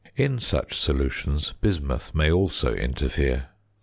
In such solutions bismuth may also interfere.